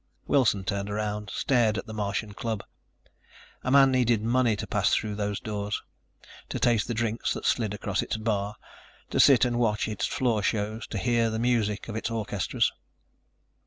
Wilson turned around, stared at the Martian Club. A man needed money to pass through those doors, to taste the drinks that slid across its bar, to sit and watch its floor shows, to hear the music of its orchestras.